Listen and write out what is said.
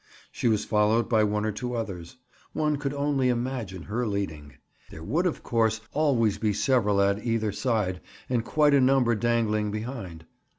She was followed by one or two others. One could only imagine her leading. There would, of course, always be several at her either side and quite a number dangling behind.